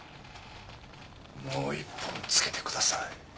もう１本つけてください。